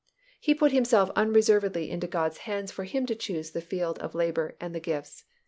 He put himself unreservedly into God's hands for Him to choose the field of labour and the gifts.